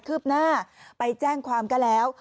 ืบหน้าไปแจ้งความก็แล้ว